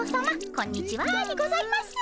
こんにちはにございます。